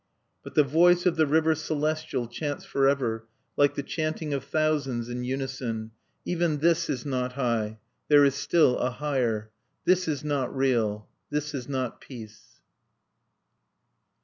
_' "But the Voice of the River Celestial chants forever, like the chanting of thousands in unison: '_Even this is not high; there is still a Higher! This is not real; this is not Peace!